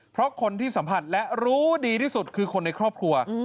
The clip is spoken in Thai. เพราะคนที่สัมผัสและรู้ดีที่สุดคือคนในครอบครัว